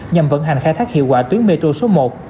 nhằm vận hành khai thác hiệu quả tuyến metro số một